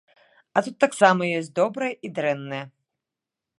А тут таксама ёсць добрая і дрэнная.